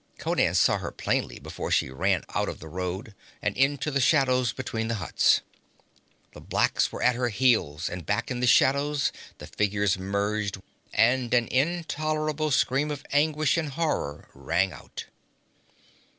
Conan saw her plainly before she ran out of the road and into the shadows between the huts. The blacks were at her heels, and back in the shadows the figures merged and an intolerable scream of anguish and horror rang out.